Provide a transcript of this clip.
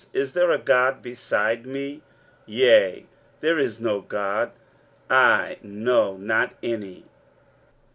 Is there a God beside me? yea, there is no God; I know not any.